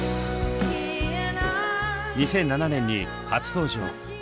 ２００７年に初登場。